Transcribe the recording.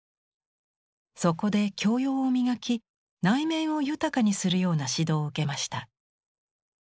そこで教養を磨き内面を豊かにするような指導を受けました。